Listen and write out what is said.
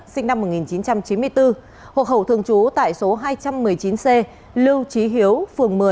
sinh năm một nghìn chín trăm chín mươi bốn hộ khẩu thường trú tại số hai trăm một mươi chín c lưu trí hiếu phường một mươi